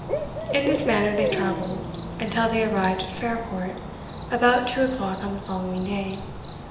In this manner they travelled, until they arrived at Fairport* about two o'clock on the following day.